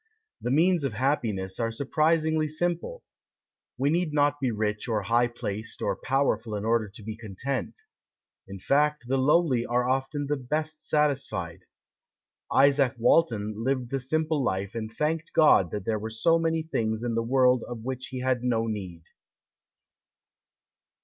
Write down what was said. The means of happiness are surprisingly simple. We need not be rich or high placed or powerful in order to be content. In fact the lowly are often the best satisfied. Izaak Walton lived the simple life and thanked God that there were so many things in the world of which he had no need.